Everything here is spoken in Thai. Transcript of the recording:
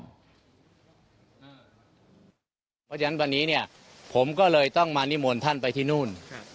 เพราะฉะนั้นวันนี้เนี่ยผมก็เลยต้องมานิมนต์ท่านไปที่นู่น